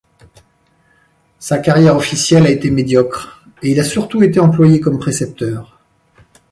Sa carrière officielle a été médiocre et il a surtout été employé comme précepteur.